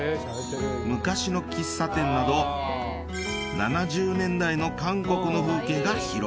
昔の喫茶店など７０年代の韓国の風景が広がる街。